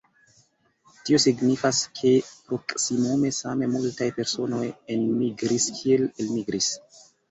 Tio signifas, ke proksimume same multaj personoj enmigris kiel elmigris.